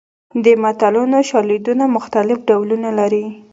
د متلونو شالیدونه مختلف ډولونه لري